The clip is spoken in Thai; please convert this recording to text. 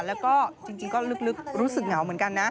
แล้วก็จริงก็ลึกรู้สึกเหงาเหมือนกันนะ